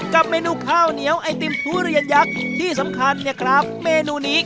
กับเมนูข้าวเหนียวไอติมทุเรียนยักษ์ที่สำคัญเนี่ยครับเมนูนี้